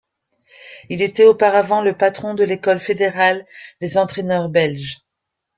Il était, auparavant, le patron de l'école fédérale des entraîneurs belges.